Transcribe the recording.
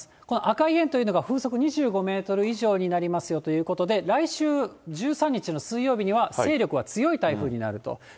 この赤い円というのが風速２５メートル以上になりますよということで、来週１３日の水曜日には、勢力は強い台風になると。